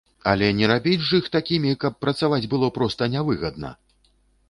Але не рабіць ж іх такімі, каб працаваць было проста не выгадна!